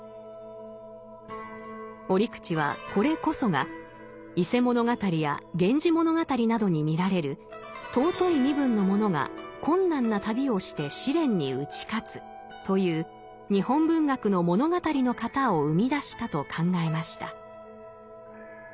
折口はこれこそが「伊勢物語」や「源氏物語」などに見られる「尊い身分の者が困難な旅をして試練に打ち勝つ」という日本文学の物語の型を生み出したと考えました。